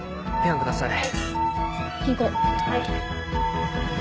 はい。